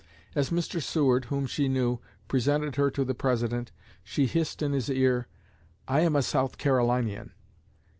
As Mr. Seward, whom she knew, presented her to the President, she hissed in his ear: 'I am a South Carolinian.'